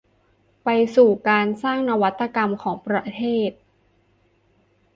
ไปสู่การสร้างนวัตกรรมของประเทศ